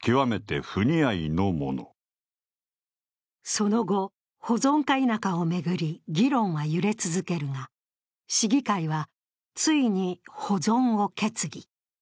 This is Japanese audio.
その後、保存か否かを巡り、議論は揺れ続けるが市議会はついに保存を決議。